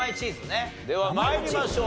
では参りましょう。